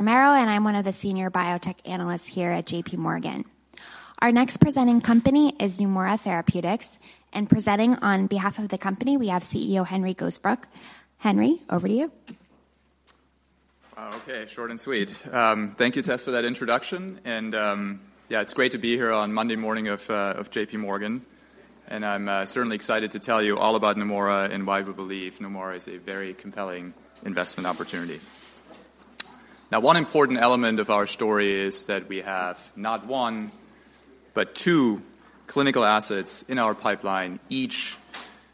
Romero, and I'm one of the senior biotech analysts here at J.P. Morgan. Our next presenting company is Neumora Therapeutics, and presenting on behalf of the company, we have CEO Henry Gosebruch. Henry, over to you. Okay, short and sweet. Thank you, Tess, for that introduction, and yeah, it's great to be here on Monday morning of J.P. Morgan, and I'm certainly excited to tell you all about Neumora and why we believe Neumora is a very compelling investment opportunity. Now, one important element of our story is that we have not one, but two clinical assets in our pipeline, each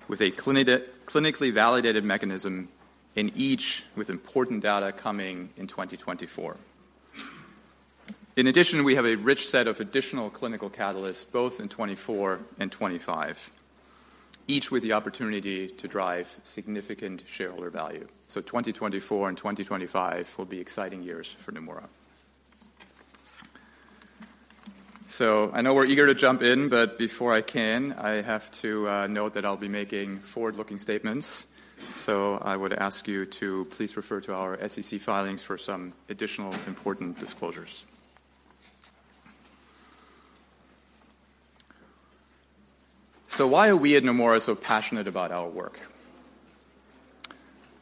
with a clinically validated mechanism, and each with important data coming in 2024. In addition, we have a rich set of additional clinical catalysts, both in 2024 and 2025, each with the opportunity to drive significant shareholder value. 2024 and 2025 will be exciting years for Neumora. I know we're eager to jump in, but before I can, I have to note that I'll be making forward-looking statements. So I would ask you to please refer to our SEC filings for some additional important disclosures. So why are we at Neumora so passionate about our work?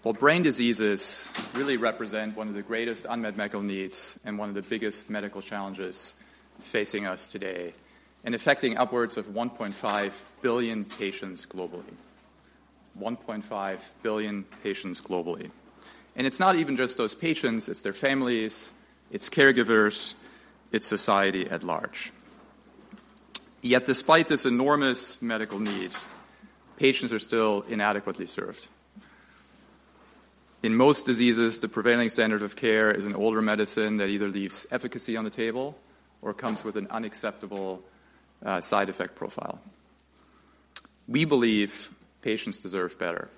Well, brain diseases really represent one of the greatest unmet medical needs and one of the biggest medical challenges facing us today, and affecting upwards of 1.5 billion patients globally. 1.5 billion patients globally. And it's not even just those patients, it's their families, it's caregivers, it's society at large. Yet despite this enormous medical need, patients are still inadequately served. In most diseases, the prevailing standard of care is an older medicine that either leaves efficacy on the table or comes with an unacceptable side effect profile. We believe patients deserve better,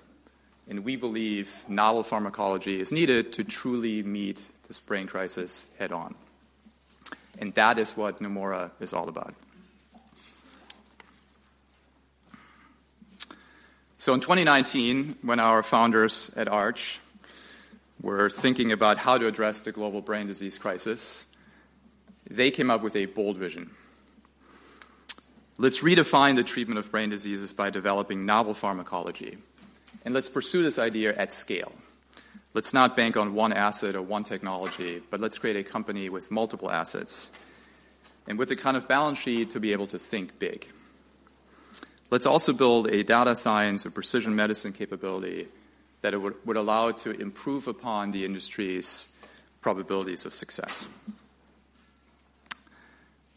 and we believe novel pharmacology is needed to truly meet this brain crisis head-on, and that is what Neumora is all about. So in 2019, when our founders at Arch were thinking about how to address the global brain disease crisis, they came up with a bold vision: Let's redefine the treatment of brain diseases by developing novel pharmacology, and let's pursue this idea at scale. Let's not bank on one asset or one technology, but let's create a company with multiple assets and with the kind of balance sheet to be able to think big. Let's also build a data science and precision medicine capability that would allow to improve upon the industry's probabilities of success.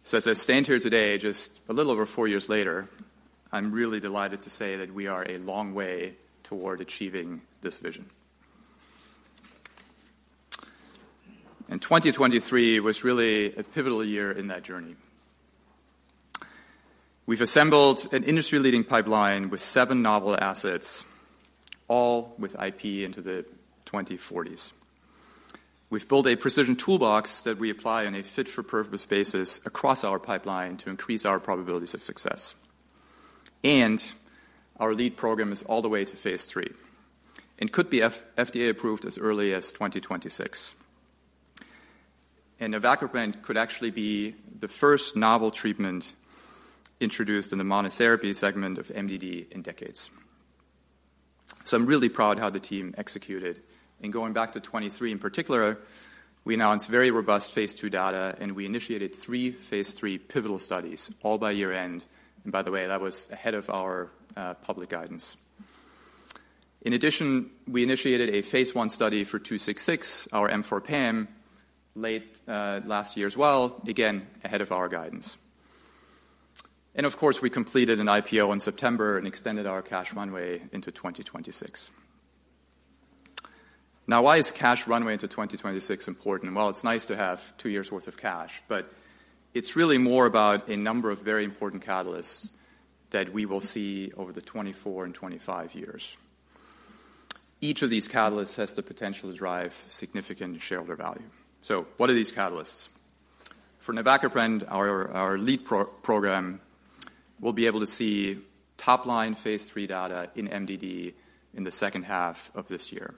So as I stand here today, just a little over four years later, I'm really delighted to say that we are a long way toward achieving this vision. 2023 was really a pivotal year in that journey. We've assembled an industry-leading pipeline with seven novel assets, all with IP into the 2040s. We've built a precision toolbox that we apply on a fit-for-purpose basis across our pipeline to increase our probabilities of success. Our lead program is all the way to phase 3 and could be FDA approved as early as 2026. navacaprant could actually be the first novel treatment introduced in the monotherapy segment of MDD in decades. I'm really proud of how the team executed. Going back to 2023 in particular, we announced very robust phase 2 data, and we initiated three phase 3 pivotal studies, all by year-end. By the way, that was ahead of our public guidance. In addition, we initiated a phase 1 study for 266, our M4 PAM, late last year as well, again, ahead of our guidance. And of course, we completed an IPO in September and extended our cash runway into 2026. Now, why is cash runway into 2026 important? Well, it's nice to have two years' worth of cash, but it's really more about a number of very important catalysts that we will see over the 2024 and 2025 years. Each of these catalysts has the potential to drive significant shareholder value. So what are these catalysts? For navacaprant, our, our lead pro- program, we'll be able to see top-line phase 3 data in MDD in the second half of this year.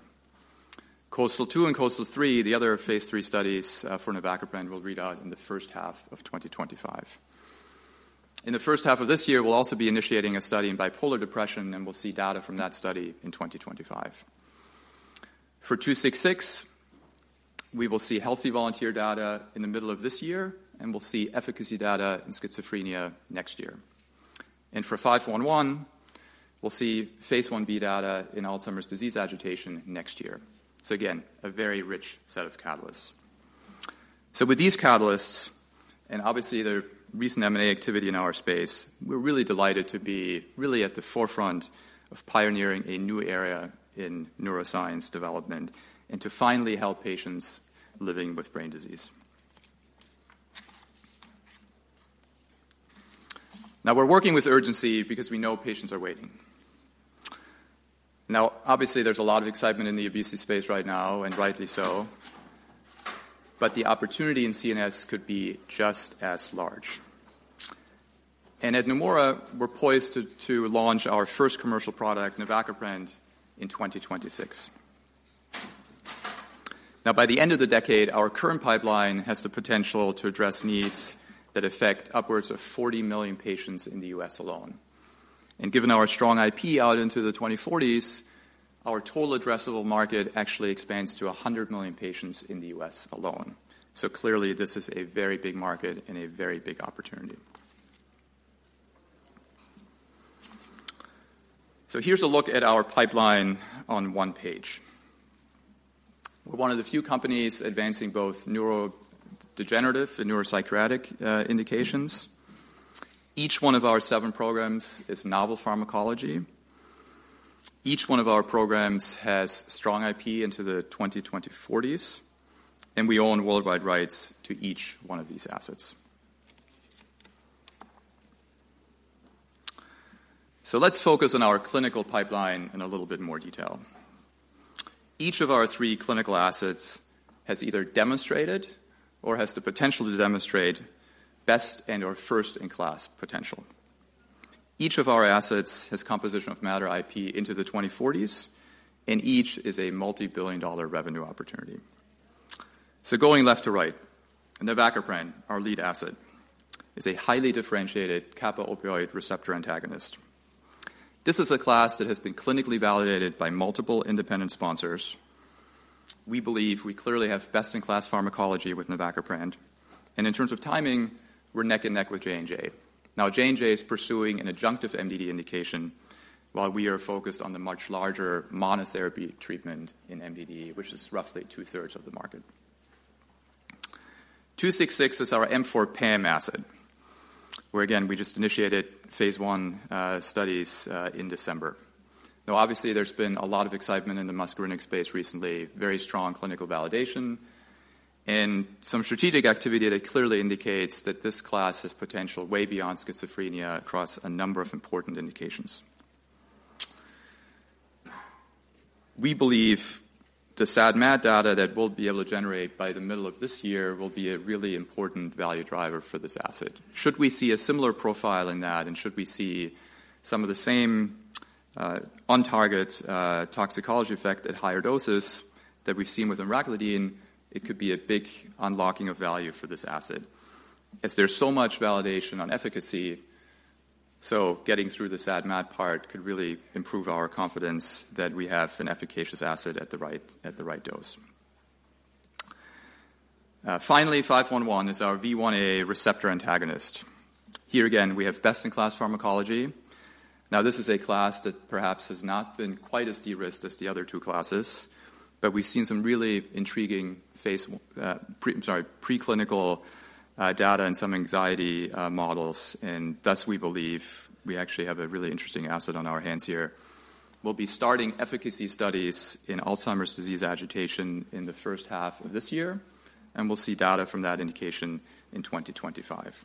KOASTAL-2 and KOASTAL-3, the other phase 3 studies, for navacaprant, will read out in the first half of 2025. In the first half of this year, we'll also be initiating a study in bipolar depression, and we'll see data from that study in 2025. For 266, we will see healthy volunteer data in the middle of this year, and we'll see efficacy data in schizophrenia next year. And for 511, we'll see phase 1b data in Alzheimer’s disease agitation next year. So again, a very rich set of catalysts. So with these catalysts, and obviously, the recent M&A activity in our space, we're really delighted to be really at the forefront of pioneering a new area in neuroscience development and to finally help patients living with brain disease. Now, we're working with urgency because we know patients are waiting. Now, obviously, there's a lot of excitement in the obesity space right now, and rightly so, but the opportunity in CNS could be just as large... and at Neumora, we're poised to launch our first commercial product, navacaprant, in 2026. Now, by the end of the decade, our current pipeline has the potential to address needs that affect upwards of 40 million patients in the U.S. alone. And given our strong IP out into the 2040s, our total addressable market actually expands to 100 million patients in the U.S. alone. So clearly, this is a very big market and a very big opportunity. So here's a look at our pipeline on one page. We're one of the few companies advancing both neurodegenerative and neuropsychiatric indications. Each one of our 7 programs is novel pharmacology. Each one of our programs has strong IP into the 2020s and 2040s, and we own worldwide rights to each one of these assets. So let's focus on our clinical pipeline in a little bit more detail. Each of our three clinical assets has either demonstrated or has the potential to demonstrate best and/or first-in-class potential. Each of our assets has composition of matter IP into the 2040s, and each is a multi-billion-dollar revenue opportunity. So going left to right, navacaprant, our lead asset, is a highly differentiated kappa-opioid receptor antagonist. This is a class that has been clinically validated by multiple independent sponsors. We believe we clearly have best-in-class pharmacology with navacaprant, and in terms of timing, we're neck and neck with J&J. Now, J&J is pursuing an adjunctive MDD indication, while we are focused on the much larger monotherapy treatment in MDD, which is roughly two-thirds of the market. NMRA-266 is our M4 PAM asset, where again, we just initiated phase one studies in December. Now, obviously, there's been a lot of excitement in the muscarinic space recently, very strong clinical validation and some strategic activity that clearly indicates that this class has potential way beyond schizophrenia across a number of important indications. We believe the SAD/MAD data that we'll be able to generate by the middle of this year will be a really important value driver for this asset. Should we see a similar profile in that, and should we see some of the same on-target toxicology effect at higher doses that we've seen with emraclidine, it could be a big unlocking of value for this asset, as there's so much validation on efficacy. So getting through the SAD/MAD part could really improve our confidence that we have an efficacious asset at the right, at the right dose. Finally, 511 is our V1a receptor antagonist. Here again, we have best-in-class pharmacology. Now, this is a class that perhaps has not been quite as de-risked as the other two classes, but we've seen some really intriguing Sorry, preclinical data and some anxiety models, and thus, we believe we actually have a really interesting asset on our hands here. We'll be starting efficacy studies in Alzheimer's disease agitation in the first half of this year, and we'll see data from that indication in 2025.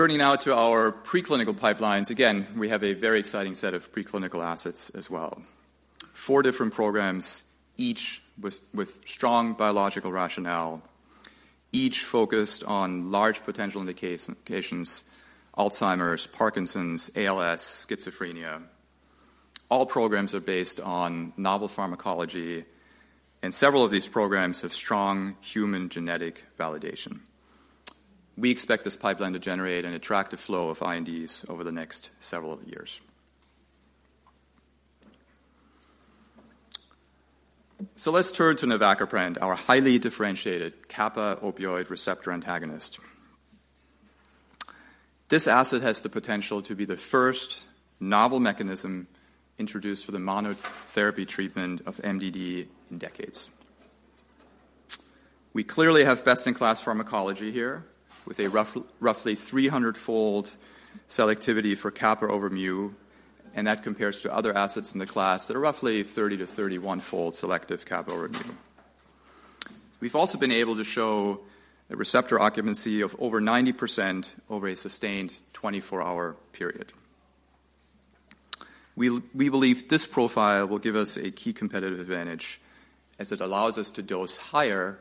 Turning now to our preclinical pipelines, again, we have a very exciting set of preclinical assets as well. Four different programs, each with strong biological rationale, each focused on large potential indications: Alzheimer's, Parkinson's, ALS, schizophrenia. All programs are based on novel pharmacology, and several of these programs have strong human genetic validation. We expect this pipeline to generate an attractive flow of INDs over the next several years. So let's turn to navacaprant, our highly differentiated kappa-opioid receptor antagonist. This asset has the potential to be the first novel mechanism introduced for the monotherapy treatment of MDD in decades. We clearly have best-in-class pharmacology here, with roughly 300-fold selectivity for kappa over mu, and that compares to other assets in the class that are roughly 30 to 31-fold selective kappa over mu. We've also been able to show a receptor occupancy of over 90% over a sustained 24-hour period. We believe this profile will give us a key competitive advantage, as it allows us to dose higher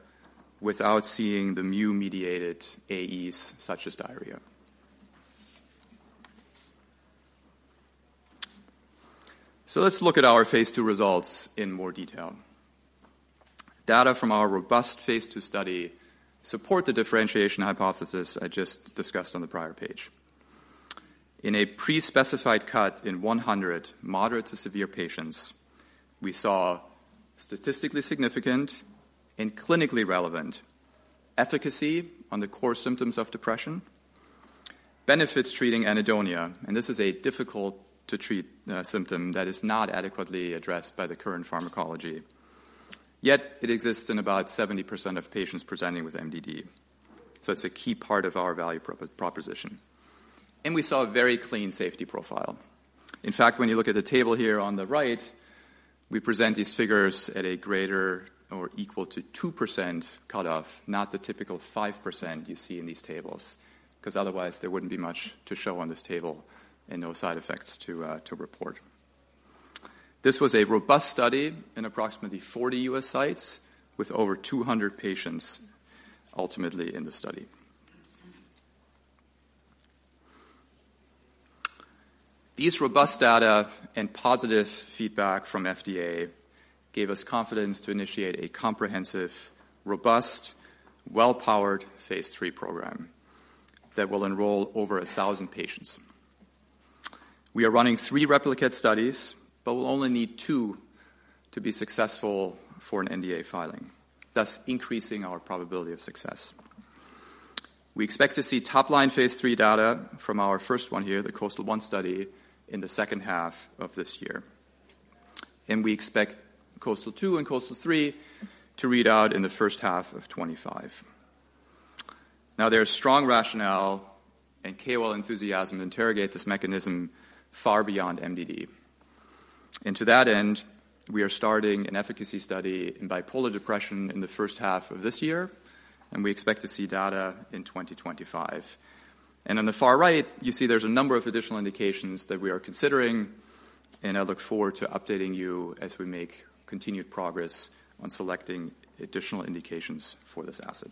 without seeing the mu-mediated AEs, such as diarrhea. So let's look at our phase two results in more detail. Data from our robust phase two study support the differentiation hypothesis I just discussed on the prior page. In a pre-specified cut in 100 moderate to severe patients, we saw statistically significant and clinically relevant efficacy on the core symptoms of depression, benefits treating anhedonia, and this is a difficult to treat symptom that is not adequately addressed by the current pharmacology. Yet it exists in about 70% of patients presenting with MDD. So it's a key part of our value proposition. And we saw a very clean safety profile. In fact, when you look at the table here on the right, we present these figures at a greater or equal to 2% cutoff, not the typical 5% you see in these tables, 'cause otherwise there wouldn't be much to show on this table and no side effects to report. This was a robust study in approximately 40 US sites, with over 200 patients ultimately in the study. These robust data and positive feedback from FDA gave us confidence to initiate a comprehensive, robust, well-powered phase 3 program that will enroll over 1,000 patients. We are running three replicate studies, but we'll only need two to be successful for an NDA filing, thus increasing our probability of success. We expect to see top-line phase 3 data from our first one here, the KOASTAL-1 study, in the second half of this year. We expect KOASTAL-2 and KOASTAL-3 to read out in the first half of 2025. Now, there's strong rationale and KOL enthusiasm to interrogate this mechanism far beyond MDD. To that end, we are starting an efficacy study in bipolar depression in the first half of this year, and we expect to see data in 2025. On the far right, you see there's a number of additional indications that we are considering, and I look forward to updating you as we make continued progress on selecting additional indications for this asset.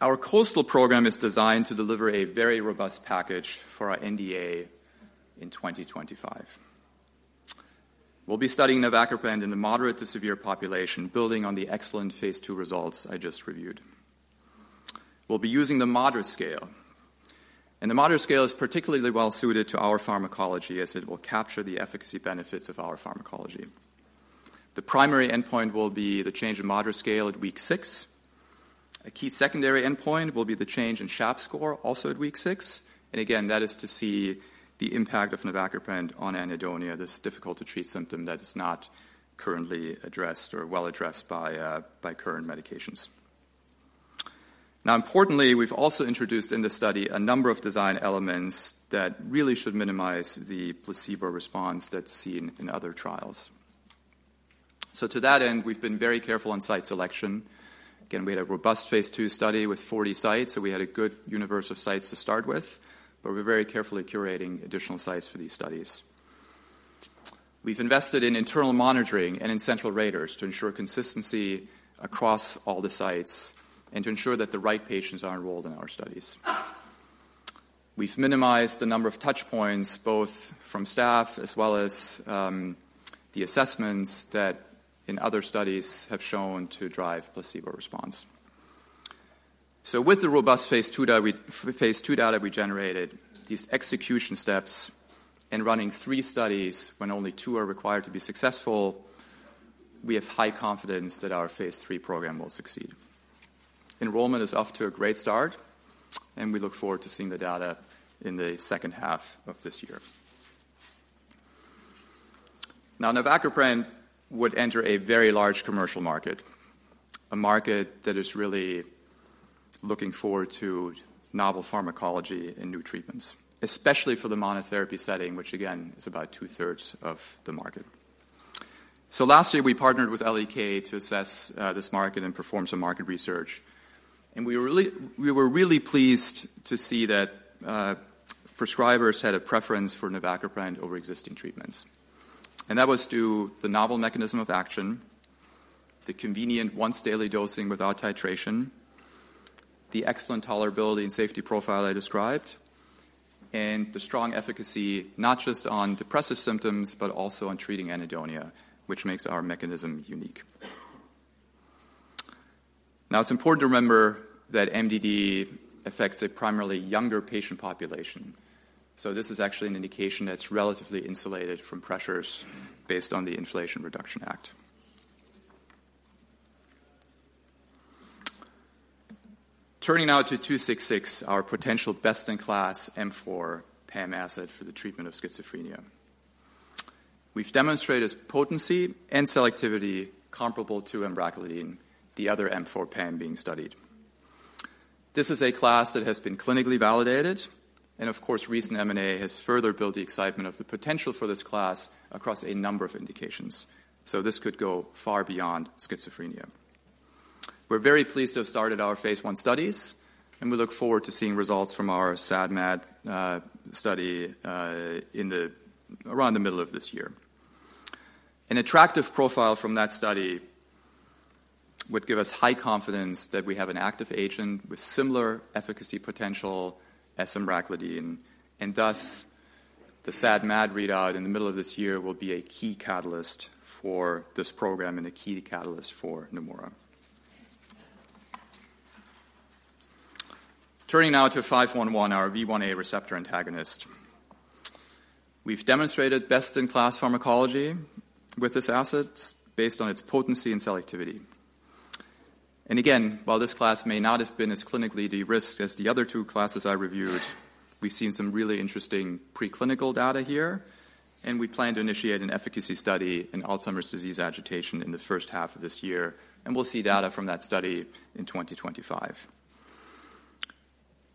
Our KOASTAL program is designed to deliver a very robust package for our NDA in 2025. We'll be studying navacaprant in the moderate to severe population, building on the excellent phase 2 results I just reviewed. We'll be using the MADRS, and the MADRS is particularly well suited to our pharmacology, as it will capture the efficacy benefits of our pharmacology. The primary endpoint will be the change in MADRS at week 6. A key secondary endpoint will be the change in SHAPS score, also at week 6. Again, that is to see the impact of navacaprant on anhedonia, this difficult-to-treat symptom that is not currently addressed or well addressed by current medications. Now, importantly, we've also introduced in this study a number of design elements that really should minimize the placebo response that's seen in other trials. To that end, we've been very careful on site selection. Again, we had a robust phase 2 study with 40 sites, so we had a good universe of sites to start with, but we're very carefully curating additional sites for these studies. We've invested in internal monitoring and in central raters to ensure consistency across all the sites and to ensure that the right patients are enrolled in our studies. We've minimized the number of touch points, both from staff as well as the assessments that in other studies have shown to drive placebo response. So with the robust phase 2 data we generated, these execution steps in running 3 studies when only 2 are required to be successful, we have high confidence that our phase 3 program will succeed. Enrollment is off to a great start, and we look forward to seeing the data in the second half of this year. Now, navacaprant would enter a very large commercial market, a market that is really looking forward to novel pharmacology and new treatments, especially for the monotherapy setting, which again, is about two-thirds of the market. So last year, we partnered with L.E.K. to assess this market and perform some market research. And we were really pleased to see that prescribers had a preference for navacaprant over existing treatments. That was due to the novel mechanism of action, the convenient once-daily dosing without titration, the excellent tolerability and safety profile I described, and the strong efficacy, not just on depressive symptoms, but also on treating anhedonia, which makes our mechanism unique. Now, it's important to remember that MDD affects a primarily younger patient population, so this is actually an indication that's relatively insulated from pressures based on the Inflation Reduction Act. Turning now to 266, our potential best-in-class M4 PAM asset for the treatment of schizophrenia. We've demonstrated its potency and selectivity comparable to emraclidine, the other M4 PAM being studied. This is a class that has been clinically validated, and of course, recent M&A has further built the excitement of the potential for this class across a number of indications, so this could go far beyond schizophrenia. We're very pleased to have started our phase 1 studies, and we look forward to seeing results from our SAD/MAD study in around the middle of this year. An attractive profile from that study would give us high confidence that we have an active agent with similar efficacy potential as emraclidine, and thus, the SADMAD readout in the middle of this year will be a key catalyst for this program and a key catalyst for Neumora. Turning now to 511, our V1a receptor antagonist. We've demonstrated best-in-class pharmacology with this asset based on its potency and selectivity. And again, while this class may not have been as clinically de-risked as the other two classes I reviewed, we've seen some really interesting preclinical data here, and we plan to initiate an efficacy study in Alzheimer's disease agitation in the first half of this year, and we'll see data from that study in 2025.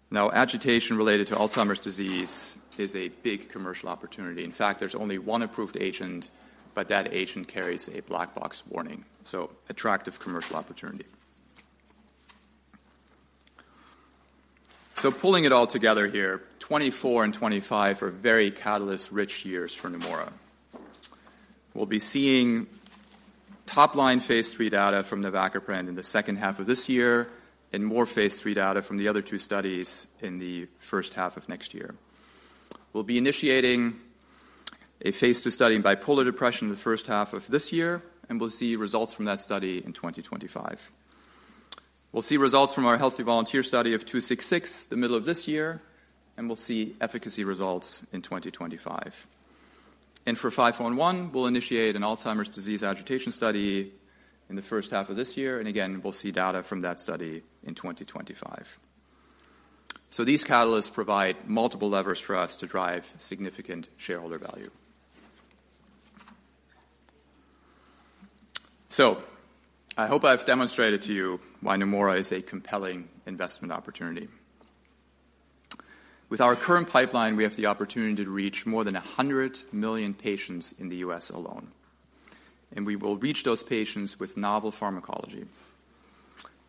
Now, agitation related to Alzheimer's disease is a big commercial opportunity. In fact, there's only one approved agent, but that agent carries a Black Box Warning, so attractive commercial opportunity. So pulling it all together here, 2024 and 2025 are very catalyst-rich years for Neumora. We'll be seeing top-line phase III data from navacaprant in the second half of this year, and more phase III data from the other two studies in the first half of next year. We'll be initiating a phase II study in bipolar depression in the first half of this year, and we'll see results from that study in 2025. We'll see results from our healthy volunteer study of 266, the middle of this year, and we'll see efficacy results in 2025. And for 511, we'll initiate an Alzheimer's disease agitation study in the first half of this year, and again, we'll see data from that study in 2025. So these catalysts provide multiple levers for us to drive significant shareholder value. So I hope I've demonstrated to you why Neumora is a compelling investment opportunity. With our current pipeline, we have the opportunity to reach more than 100 million patients in the U.S. alone, and we will reach those patients with novel pharmacology.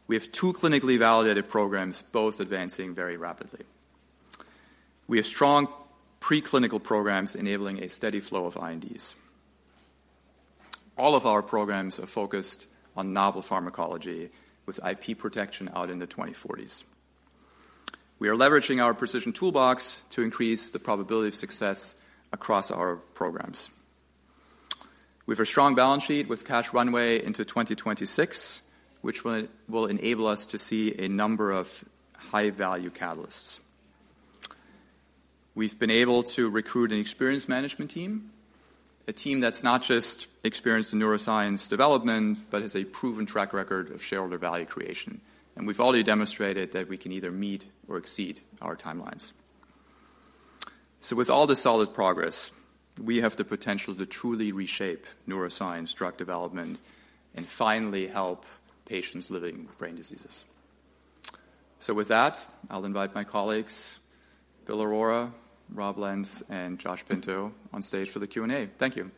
We have two clinically validated programs, both advancing very rapidly. We have strong preclinical programs enabling a steady flow of INDs. All of our programs are focused on novel pharmacology with IP protection out in the 2040s. We are leveraging our precision toolbox to increase the probability of success across our programs. We have a strong balance sheet with cash runway into 2026, which will enable us to see a number of high-value catalysts. We've been able to recruit an experienced management team, a team that's not just experienced in neuroscience development, but has a proven track record of shareholder value creation. And we've already demonstrated that we can either meet or exceed our timelines. So with all this solid progress, we have the potential to truly reshape neuroscience, drug development, and finally help patients living with brain diseases. So with that, I'll invite my colleagues, Bill Aurora, Rob Lenz, and Josh Pinto, on stage for the Q&A. Thank you.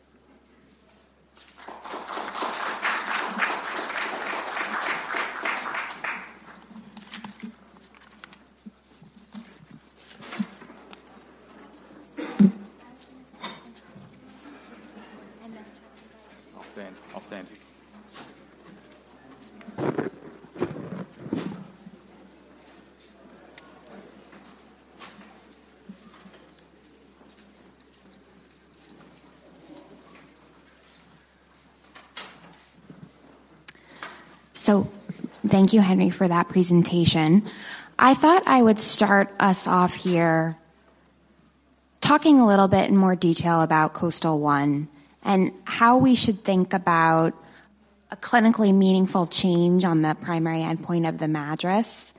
I'll stand. I'll stand. Thank you, Henry, for that presentation. I thought I would start us off here talking a little bit in more detail about KOASTAL-1, and how we should think about a clinically meaningful change on the primary endpoint of the MADRS,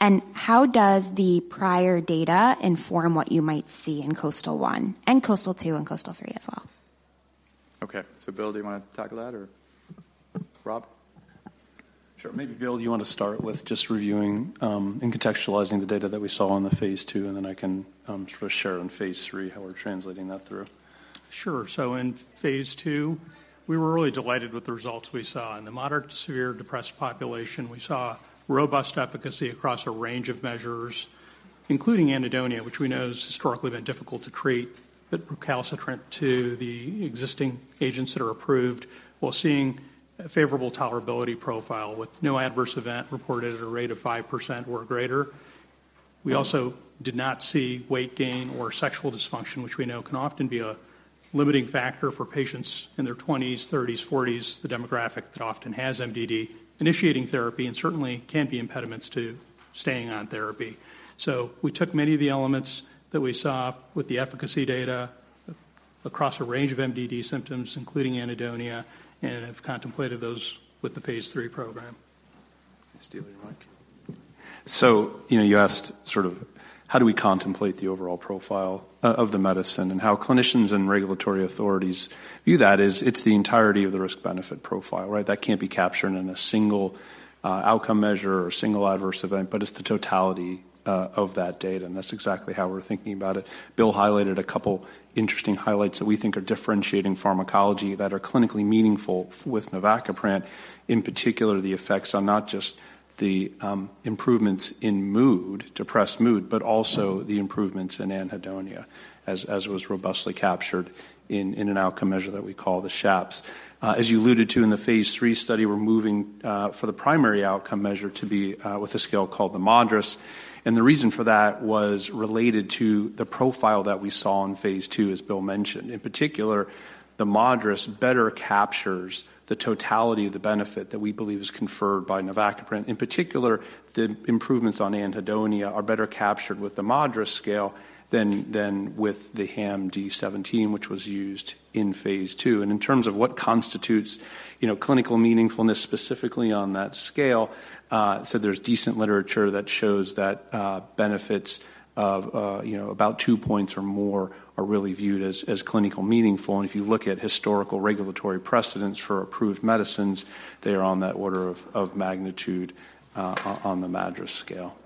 and how does the prior data inform what you might see in KOASTAL-1 and KOASTAL-2 and KOASTAL-3 as well? Okay. So, Bill, do you want to tackle that, or Rob? Sure. Maybe, Bill, do you want to start with just reviewing and contextualizing the data that we saw on the phase II, and then I can share on phase III how we're translating that through? Sure. So in phase II, we were really delighted with the results we saw. In the moderate to severe depressed population, we saw robust efficacy across a range of measures, including anhedonia, which we know has historically been difficult to treat, but recalcitrant to the existing agents that are approved, while seeing a favorable tolerability profile with no adverse event reported at a rate of 5% or greater. We also did not see weight gain or sexual dysfunction, which we know can often be a limiting factor for patients in their twenties, thirties, forties, the demographic that often has MDD, initiating therapy, and certainly can be impediments to staying on therapy. So we took many of the elements that we saw with the efficacy data across a range of MDD symptoms, including anhedonia, and have contemplated those with the phase III program. Thanks, Tess. Mike? So, you know, you asked sort of how do we contemplate the overall profile of the medicine? And how clinicians and regulatory authorities view that is, it's the entirety of the risk-benefit profile, right? That can't be captured in a single outcome measure or a single adverse event, but it's the totality of that data, and that's exactly how we're thinking about it. Bill highlighted a couple interesting highlights that we think are differentiating pharmacology that are clinically meaningful with navacaprant, in particular, the effects on not just the improvements in mood, depressed mood, but also the improvements in anhedonia, as was robustly captured in an outcome measure that we call the SHAPS. As you alluded to in the phase III study, we're moving for the primary outcome measure to be with a scale called the MADRS, and the reason for that was related to the profile that we saw in phase II, as Bill mentioned. In particular, the MADRS better captures the totality of the benefit that we believe is conferred by navacaprant. In particular, the improvements on anhedonia are better captured with the MADRS scale than with the HAM-D17, which was used in phase II. And in terms of what constitutes, you know, clinical meaningfulness specifically on that scale, so there's decent literature that shows that benefits of, you know, about two points or more are really viewed as clinical meaningful. If you look at historical regulatory precedents for approved medicines, they are on that order of magnitude, on the MADRS scale....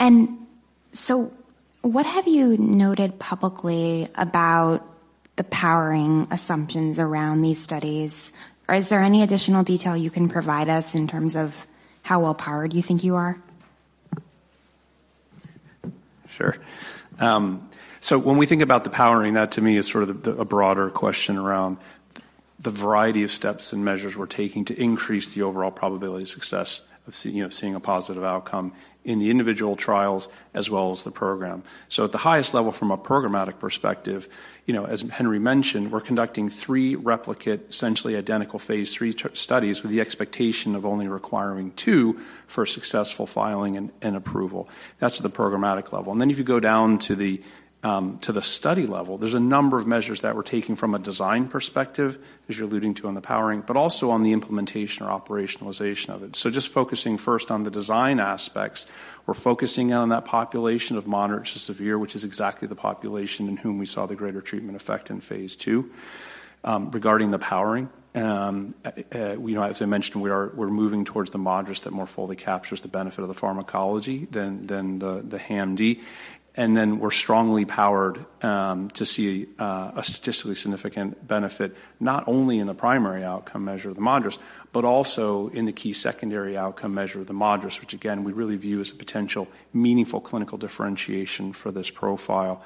And so what have you noted publicly about the powering assumptions around these studies? Or is there any additional detail you can provide us in terms of how well-powered you think you are? Sure. So when we think about the powering, that to me is sort of the, a broader question around the variety of steps and measures we're taking to increase the overall probability of success of, you know, seeing a positive outcome in the individual trials as well as the program. So at the highest level, from a programmatic perspective, you know, as Henry mentioned, we're conducting three replicate, essentially identical phase 3 studies, with the expectation of only requiring two for successful filing and approval. That's the programmatic level. And then if you go down to the study level, there's a number of measures that we're taking from a design perspective, as you're alluding to on the powering, but also on the implementation or operationalization of it. So just focusing first on the design aspects, we're focusing on that population of moderate to severe, which is exactly the population in whom we saw the greater treatment effect in phase II. Regarding the powering, you know, as I mentioned, we're moving toward the MADRS that more fully captures the benefit of the pharmacology than the HAM-D. And then we're strongly powered to see a statistically significant benefit, not only in the primary outcome measure of the MADRS, but also in the key secondary outcome measure of the MADRS, which again, we really view as a potential meaningful clinical differentiation for this profile.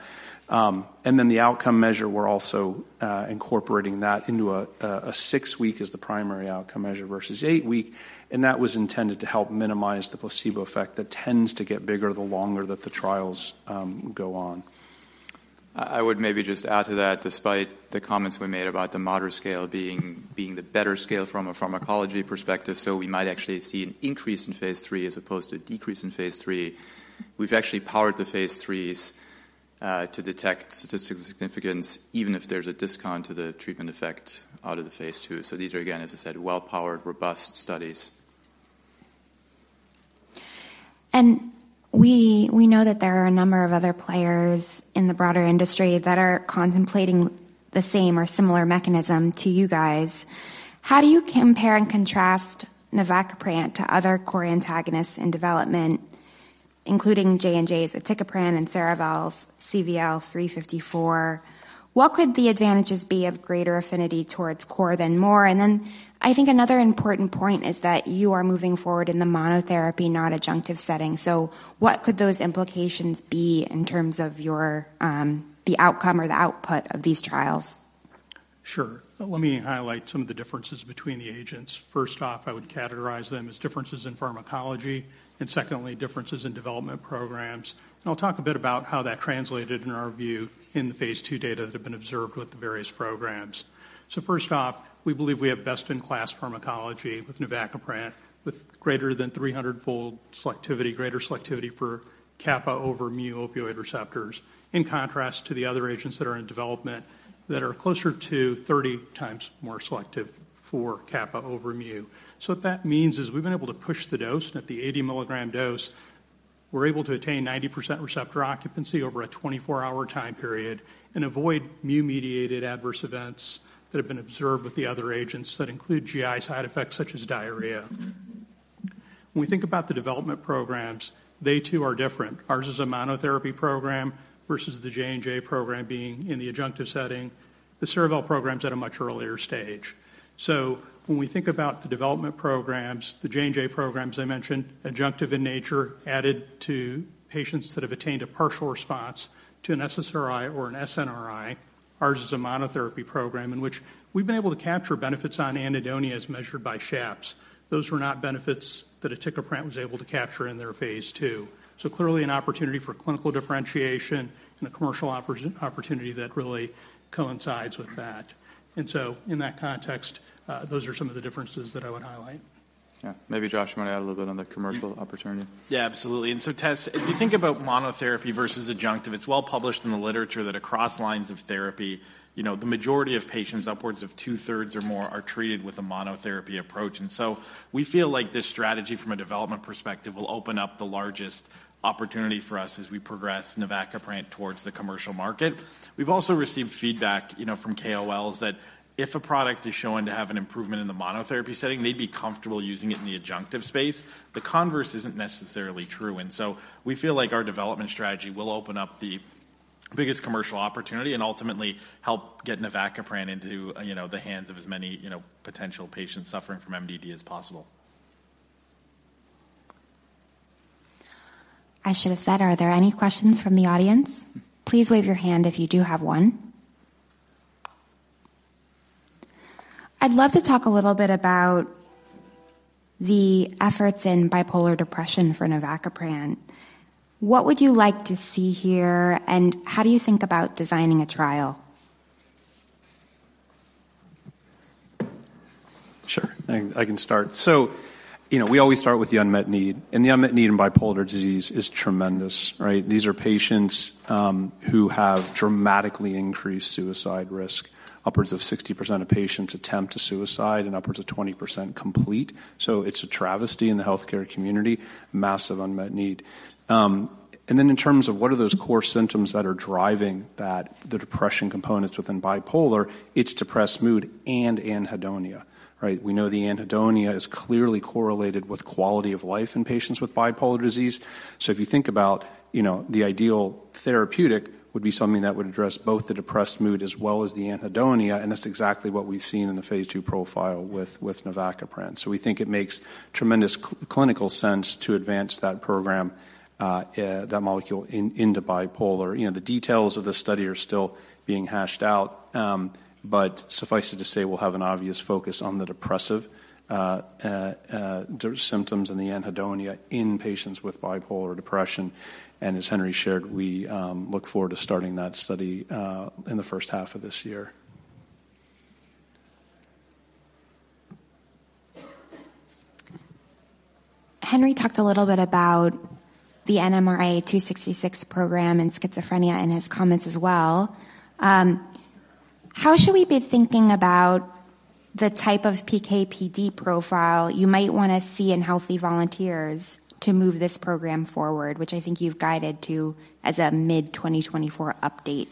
And then the outcome measure, we're also incorporating that into a 6-week as the primary outcome measure versus 8-week, and that was intended to help minimize the placebo effect that tends to get bigger the longer that the trials go on. I would maybe just add to that, despite the comments we made about the MADRS scale being, being the better scale from a pharmacology perspective, so we might actually see an increase in phase III as opposed to a decrease in phase III. We've actually powered the phase IIIs to detect statistical significance, even if there's a discount to the treatment effect out of the phase II. So these are, again, as I said, well-powered, robust studies. We know that there are a number of other players in the broader industry that are contemplating the same or similar mechanism to you guys. How do you compare and contrast navacaprant to other KOR antagonists in development, including J&J's aticaprant and Cerevel's CVL-354? What could the advantages be of greater affinity towards KOR than MOR? I think another important point is that you are moving forward in the monotherapy, not adjunctive setting. What could those implications be in terms of your the outcome or the output of these trials? Sure. Let me highlight some of the differences between the agents. First off, I would categorize them as differences in pharmacology, and secondly, differences in development programs. I'll talk a bit about how that translated in our view in the phase II data that have been observed with the various programs. So first off, we believe we have best-in-class pharmacology with navacaprant, with greater than 300-fold selectivity, greater selectivity for kappa over mu opioid receptors, in contrast to the other agents that are in development that are closer to 30 times more selective for kappa over mu. So what that means is we've been able to push the dose, and at the 80 milligram dose, we're able to attain 90% receptor occupancy over a 24-hour time period and avoid mu-mediated adverse events that have been observed with the other agents that include GI side effects, such as diarrhea. When we think about the development programs, they too are different. Ours is a monotherapy program versus the J&J program being in the adjunctive setting. The Cerevel program's at a much earlier stage. So when we think about the development programs, the J&J programs I mentioned, adjunctive in nature, added to patients that have attained a partial response to an SSRI or an SNRI. Ours is a monotherapy program in which we've been able to capture benefits on anhedonia as measured by SHAPS. Those were not benefits that aticaprant was able to capture in their phase II. So clearly, an opportunity for clinical differentiation and a commercial opportunity that really coincides with that. And so in that context, those are some of the differences that I would highlight. Yeah. Maybe, Josh, you want to add a little bit on the commercial opportunity? Yeah, absolutely. And so, Tess, if you think about monotherapy versus adjunctive, it's well published in the literature that across lines of therapy, you know, the majority of patients, upwards of two-thirds or more, are treated with a monotherapy approach. And so we feel like this strategy from a development perspective, will open up the largest opportunity for us as we progress navacaprant towards the commercial market. We've also received feedback, you know, from KOLs, that if a product is shown to have an improvement in the monotherapy setting, they'd be comfortable using it in the adjunctive space. The converse isn't necessarily true, and so we feel like our development strategy will open up the biggest commercial opportunity and ultimately help get navacaprant into, you know, the hands of as many, you know, potential patients suffering from MDD as possible. I should have said, are there any questions from the audience? Please wave your hand if you do have one. I'd love to talk a little bit about the efforts in bipolar depression for navacaprant. What would you like to see here, and how do you think about designing a trial? Sure. I can start.... You know, we always start with the unmet need, and the unmet need in bipolar disease is tremendous, right? These are patients who have dramatically increased suicide risk. Upwards of 60% of patients attempt a suicide and upwards of 20% complete. So it's a travesty in the healthcare community, massive unmet need. And then in terms of what are those core symptoms that are driving that, the depression components within bipolar, it's depressed mood and anhedonia, right? We know the anhedonia is clearly correlated with quality of life in patients with bipolar disease. So if you think about, you know, the ideal therapeutic would be something that would address both the depressed mood as well as the anhedonia, and that's exactly what we've seen in the phase II profile with, with navacaprant. So we think it makes tremendous clinical sense to advance that program, that molecule into bipolar. You know, the details of this study are still being hashed out, but suffice it to say, we'll have an obvious focus on the depressive symptoms and the anhedonia in patients with bipolar depression. And as Henry shared, we look forward to starting that study in the first half of this year. Henry talked a little bit about the NMRA-266 program and schizophrenia in his comments as well. How should we be thinking about the type of PK/PD profile you might wanna see in healthy volunteers to move this program forward, which I think you've guided to as a mid-2024 update?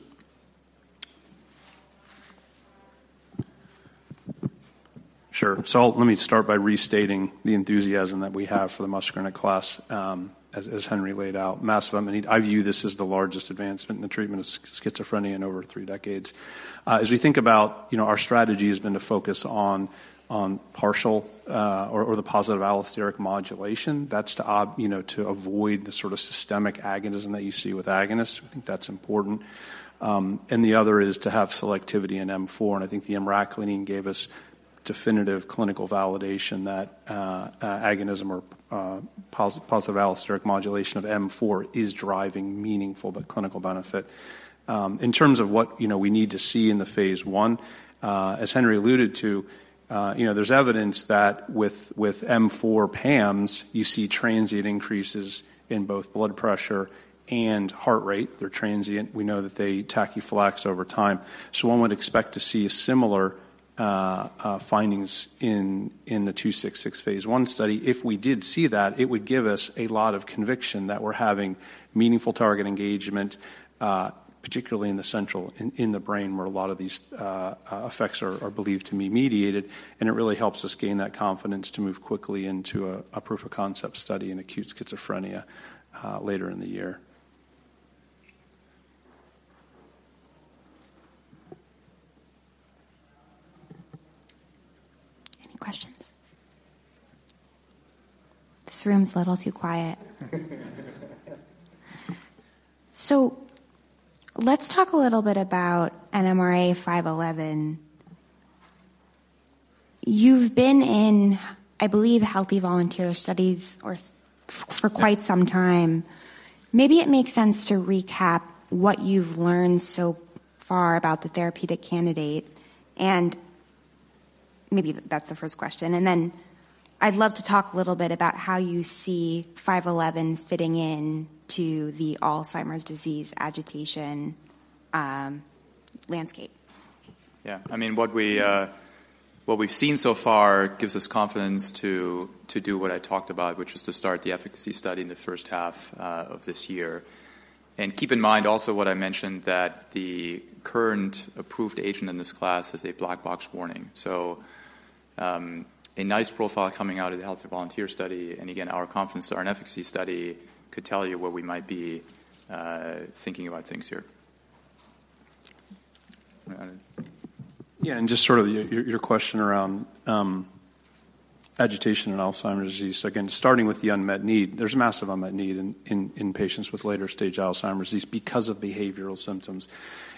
Sure. So let me start by restating the enthusiasm that we have for the muscarinic class, as Henry laid out, massive. I mean, I view this as the largest advancement in the treatment of schizophrenia in over three decades. As we think about, you know, our strategy has been to focus on partial or the positive allosteric modulation. That's to, you know, to avoid the sort of systemic agonism that you see with agonists. I think that's important. And the other is to have selectivity in M4, and I think the emraclidine gave us definitive clinical validation that agonism or positive allosteric modulation of M4 is driving meaningful but clinical benefit. In terms of what, you know, we need to see in the phase I, as Henry alluded to, you know, there's evidence that with, with M4 PAMs, you see transient increases in both blood pressure and heart rate. They're transient. We know that they tachyphylaxis over time. So one would expect to see similar findings in, in the NMRA-266 phase I study. If we did see that, it would give us a lot of conviction that we're having meaningful target engagement, particularly in the central, in, in the brain, where a lot of these effects are, are believed to be mediated, and it really helps us gain that confidence to move quickly into a, a proof of concept study in acute schizophrenia, later in the year. Any questions? This room's a little too quiet. So let's talk a little bit about NMRA-511. You've been in, I believe, healthy volunteer studies for quite some time. Maybe it makes sense to recap what you've learned so far about the therapeutic candidate, and maybe that's the first question. And then I'd love to talk a little bit about how you see 511 fitting in to the Alzheimer's disease agitation landscape. Yeah. I mean, what we've seen so far gives us confidence to do what I talked about, which is to start the efficacy study in the first half of this year. And keep in mind also what I mentioned, that the current approved agent in this class is a Black Box Warning. So, a nice profile coming out of the healthy volunteer study, and again, our confidence, our efficacy study could tell you where we might be thinking about things here. Yeah, and just sort of your question around agitation and Alzheimer's disease. Again, starting with the unmet need, there's a massive unmet need in patients with later-stage Alzheimer's disease because of behavioral symptoms.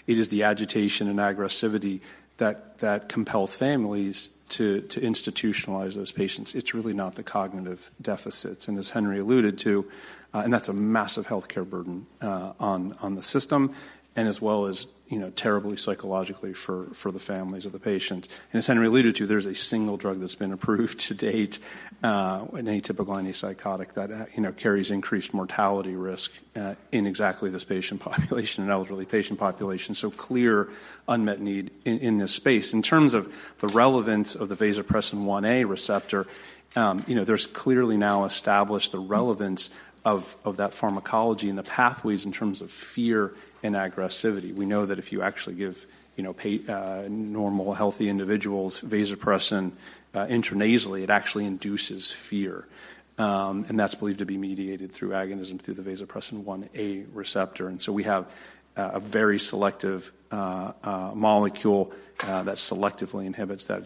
It is the agitation and aggressivity that compels families to institutionalize those patients. It's really not the cognitive deficits, and as Henry alluded to, and that's a massive healthcare burden on the system and as well as, you know, terribly psychologically for the families of the patients. And as Henry alluded to, there's a single drug that's been approved to date, an atypical antipsychotic that, you know, carries increased mortality risk in exactly this patient population, an elderly patient population, so clear unmet need in this space. In terms of the relevance of the vasopressin 1a receptor, you know, there's clearly now established the relevance of that pharmacology and the pathways in terms of fear and aggressivity. We know that if you actually give, you know, normal, healthy individuals vasopressin intranasally, it actually induces fear. And that's believed to be mediated through agonism through the vasopressin 1a receptor. And so we have a very selective molecule that selectively inhibits that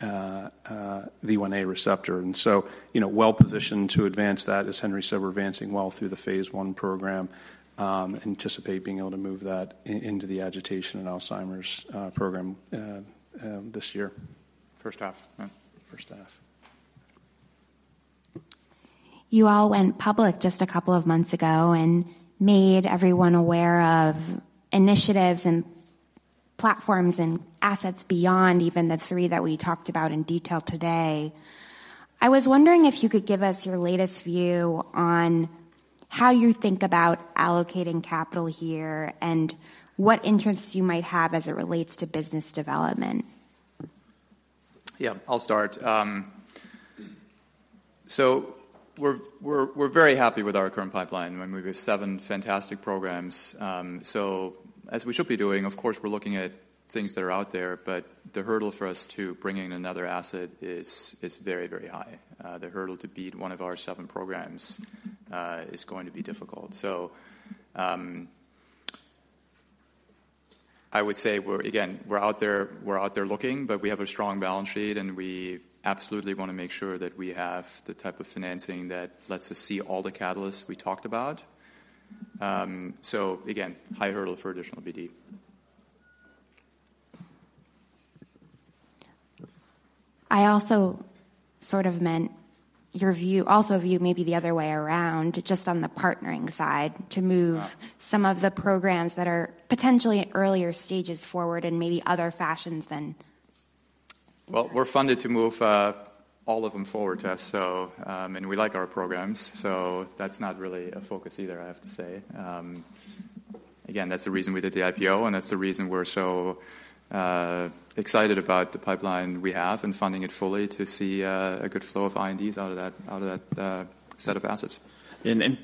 V1a receptor. And so, you know, well-positioned to advance that. As Henry said, we're advancing well through the phase I program, anticipate being able to move that into the agitation and Alzheimer's program this year. First half. First half.... you all went public just a couple of months ago and made everyone aware of initiatives and platforms and assets beyond even the three that we talked about in detail today. I was wondering if you could give us your latest view on how you think about allocating capital here and what interests you might have as it relates to business development? Yeah, I'll start. So we're very happy with our current pipeline. I mean, we have seven fantastic programs. So as we should be doing, of course, we're looking at things that are out there, but the hurdle for us to bringing another asset is very, very high. The hurdle to beat one of our seven programs is going to be difficult. So I would say we're again, we're out there, we're out there looking, but we have a strong balance sheet, and we absolutely wanna make sure that we have the type of financing that lets us see all the catalysts we talked about. So again, high hurdle for additional BD. I also sort of meant your view, also view maybe the other way around, just on the partnering side, to move- Ah. some of the programs that are potentially at earlier stages forward in maybe other fashions than Well, we're funded to move all of them forward, Tess, so... And we like our programs, so that's not really a focus either, I have to say. Again, that's the reason we did the IPO, and that's the reason we're so excited about the pipeline we have and funding it fully to see a good flow of INDs out of that, out of that set of assets.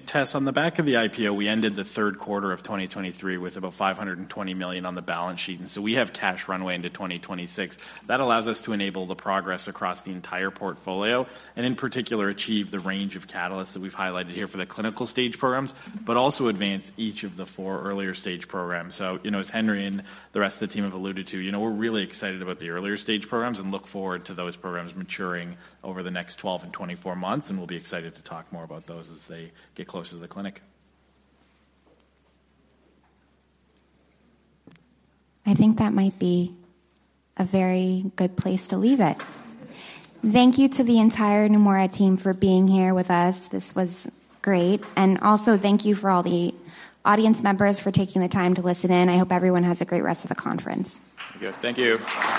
Tess, on the back of the IPO, we ended the third quarter of 2023 with about $520 million on the balance sheet, and so we have cash runway into 2026. That allows us to enable the progress across the entire portfolio, and in particular, achieve the range of catalysts that we've highlighted here for the clinical stage programs, but also advance each of the 4 earlier stage programs. You know, as Henry and the rest of the team have alluded to, you know, we're really excited about the earlier stage programs and look forward to those programs maturing over the next 12 and 24 months, and we'll be excited to talk more about those as they get closer to the clinic. I think that might be a very good place to leave it. Thank you to the entire Neumora team for being here with us. This was great. And also, thank you for all the audience members for taking the time to listen in. I hope everyone has a great rest of the conference. Thank you. Thank you.